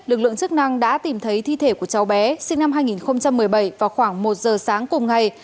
lực lượng chức năng đã tìm thấy thi thể của cháu bé sinh năm hai nghìn một mươi bảy vào khoảng một giờ sáng cùng ngày